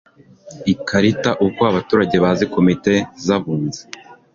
Ikarita Uko abaturage bazi Komite z Abunzi